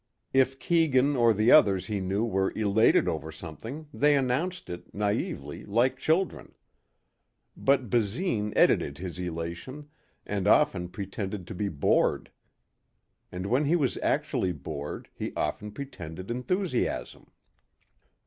If Keegan or the others he knew were elated over something, they announced it, naively, like children. But Basine edited his elation and often pretended to be bored. And when he was actually bored he often pretended enthusiasm.